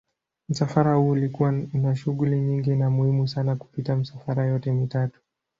Msafara huu ulikuwa una shughuli nyingi na muhimu sana kupita misafara yote mitatu.